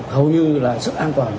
hầu như là sức an toàn